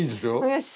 よし！